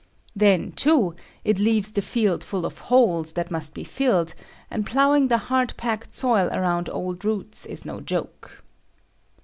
Then too, it leaves the field full of holes, that must be filled; and plowing the hard packed soil around old roots is no joke.